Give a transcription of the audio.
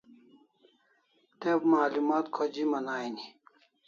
Te malumat khojiman aini